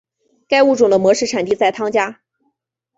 该物种的模式产地在汤加。